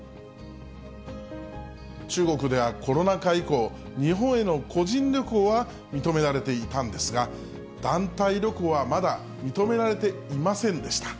中国ではコロナ禍以降、日本への個人旅行は認められていたんですが、団体旅行はまだ、認められていませんでした。